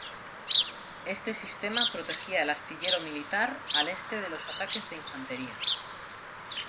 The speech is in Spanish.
Este sistema protegía el astillero militar al este de los ataques de infantería.